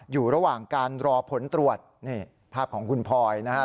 อยู่ระหว่างการรอผลตรวจนี่ภาพของคุณพลอยนะครับ